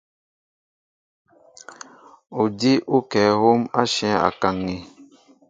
Odíw ó kɛ̌ hǒm ashɛ̌ŋ a kaŋ̀in.